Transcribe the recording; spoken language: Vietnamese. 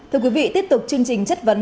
thưa quý vị tiếp tục chương trình chất vấn